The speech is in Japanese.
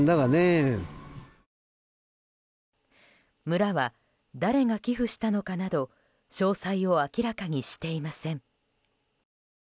村は、誰が寄付したのかなど詳細を明らかにしていません。